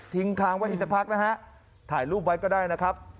ค้างไว้อีกสักพักนะฮะถ่ายรูปไว้ก็ได้นะครับ